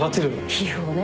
皮膚をね。